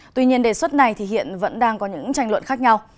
tuy nhiên đề xuất này thì hiện vẫn đang có những tranh luận khác nhau